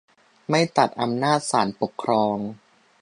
ไม่ตัดอำนาจศาลปกครอง